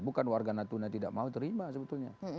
bukan warga natuna tidak mau terima sebetulnya